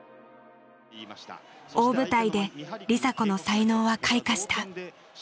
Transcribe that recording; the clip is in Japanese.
大舞台で梨紗子の才能は開花した。